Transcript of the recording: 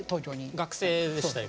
学生でした。